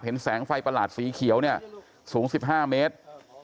แสงไฟประหลาดสีเขียวเนี่ยสูง๑๕เมตร